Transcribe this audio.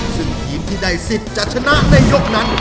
ซึ่งทีมที่ได้สิทธิ์จะชนะในยกนั้น